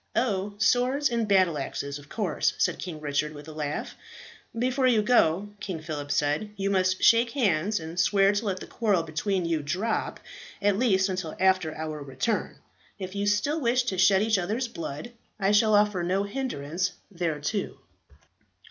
"Oh, swords and battle axes, of course," said King Richard with a laugh. "Before you go," King Phillip said, "you must shake hands, and swear to let the quarrel between you drop, at least until after our return. If you still wish to shed each other's blood, I shall offer no hindrance thereto."